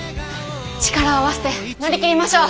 力を合わせて乗り切りましょう！